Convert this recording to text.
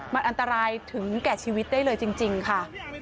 มันอันตรายถึงแก่ชีวิตได้เลยจริงค่ะ